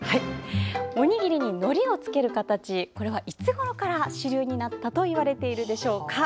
おにぎりにのりをつける形いつごろから主流になったといわれているでしょうか。